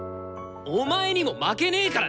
お前にも負けねからな！